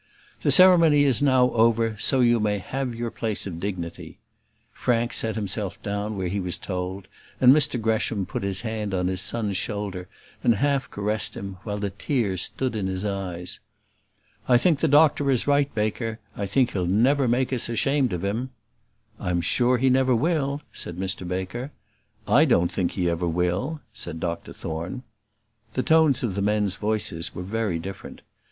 "The ceremony is now over, so you may have your place of dignity." Frank sat himself down where he was told, and Mr Gresham put his hand on his son's shoulder and half caressed him, while the tears stood in his eyes. "I think the doctor is right, Baker, I think he'll never make us ashamed of him." "I am sure he never will," said Mr Baker. "I don't think he ever will," said Dr Thorne. The tones of the men's voices were very different.